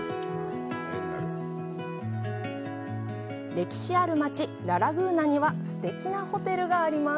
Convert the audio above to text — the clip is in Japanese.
歴史ある街、ラ・ラグーナにはすてきなホテルがあります。